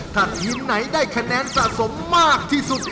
ท่านยุ่นไหนได้คะแนนสะสมมากที่สุด